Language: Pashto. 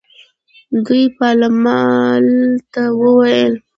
دوی پالمر ته وویل.